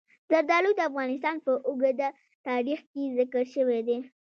زردالو د افغانستان په اوږده تاریخ کې ذکر شوی دی.